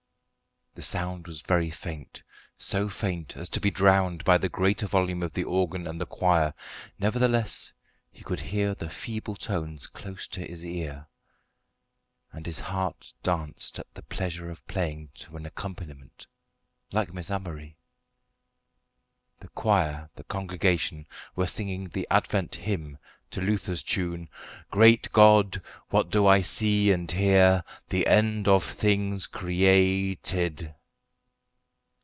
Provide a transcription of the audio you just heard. The sound was very faint, so faint as to be drowned by the greater volume of the organ and the choir. Nevertheless he could hear the feeble tones close to his ear, and his heart danced at the pleasure of playing to an accompaniment, like Miss Amory. The choir, the congregation, were singing the Advent hymn to Luther's tune "Great God, what do I see and hear? The end of things created."